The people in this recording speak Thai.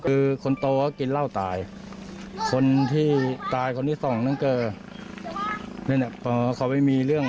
คือคนโตกินร่าวตายคนที่ตายคนที่ส่องนั่งเกอร์เขาไม่มีเรื่อง